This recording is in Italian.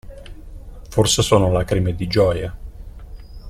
Forse sono lacrime di gioia.